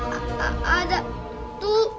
kita cepet pulang